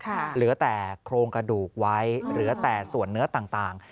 เหลือแต่โครงกระดูกไว้เหลือแต่ส่วนเนื้อต่าง